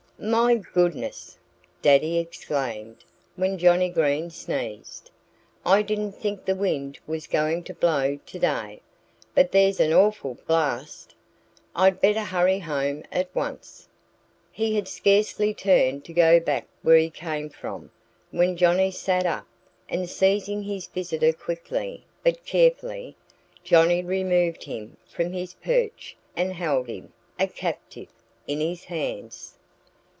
"My goodness!" Daddy exclaimed when Johnnie Green sneezed. "I didn't think the wind was going to blow to day. But there's an awful blast! I'd better hurry home at once." He had scarcely turned to go back where he came from when Johnnie sat up; and seizing his visitor quickly but carefully Johnnie removed him from his perch and held him, a captive, in his hands.